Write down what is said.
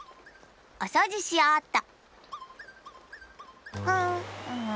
おそうじしようっと！